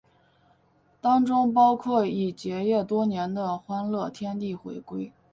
当中包括已结业多年的欢乐天地回归。